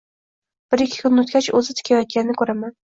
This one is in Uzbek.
Bir - ikki kun oʻtgach, oʻzi tikayotganini koʻraman